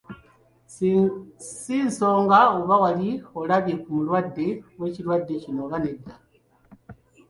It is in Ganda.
Si nsonga oba wali olabye ku mulwadde w’ekirwadde kino oba nedda.